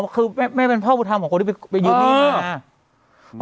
คือแม่เป็นพ่อบุญธรรมของคนที่ไปยืนหนี้